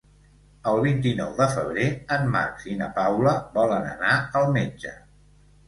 El vint-i-nou de febrer en Max i na Paula volen anar al metge.